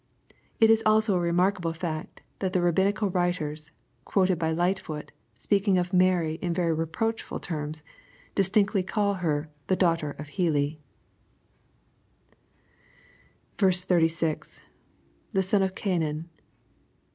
It is also a remarkable fact, ttiat Kabbinical writers, quoted by Lightfoot, peaking of Mary in very reproachful terms, distinctly call her, "the daughter of 36. — [The son of Cainan.